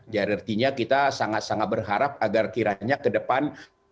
jadi artinya kita sangat sangat berharap agar kiranya ke depan